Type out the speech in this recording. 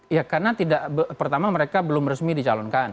ya karena pertama mereka belum resmi dicalonkan